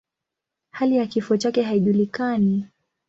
Hali ya kifo chake haijulikani.